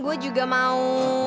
gue juga mau